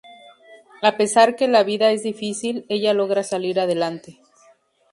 A pesar que la vida es difícil, ella logra salir adelante.